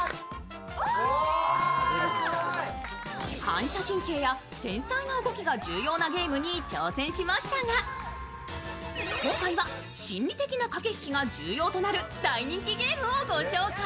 反射神経や繊細な動きが重要なゲームに挑戦しましたが今回は心理的な駆け引きが重要となる大人気ゲームを御紹介。